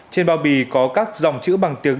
trên bao bì có các dòng chữ bằng tiếng